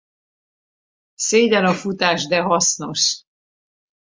Szégyen a futás, de hasznos.